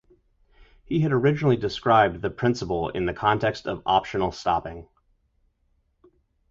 He had originally described the principle in the context of optional stopping.